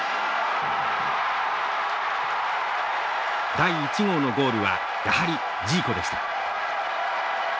第１号のゴールはやはりジーコでした。